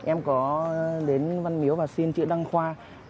em có đến văn miếu và xin chữ đăng khoa